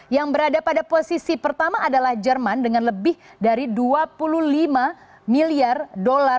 yang berada pada posisi pertama adalah jerman dengan lebih dari dua puluh lima miliar dolar